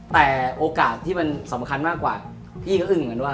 แต่โอกาสที่มันสำคัญมากกว่าพี่ก็อึ้งเหมือนกันว่า